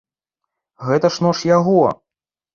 Гэта ж нож яго.